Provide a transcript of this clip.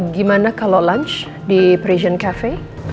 gimana kalau lunch di present cafe